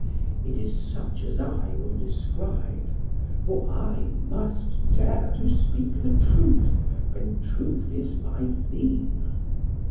It is such as I will describe; for I must dare to speak the truth, when truth is my theme.